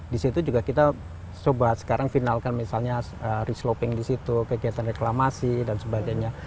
di situ juga kita coba sekarang finalkan misalnya resloping di situ kegiatan reklamasi dan sebagainya